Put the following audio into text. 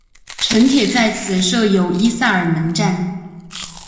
城铁在此设有伊萨尔门站。